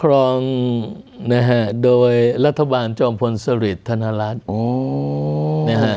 ต้องนะฮะโดยรัฐบาลจอมพลสฤษฐรรณรัชนะฮะ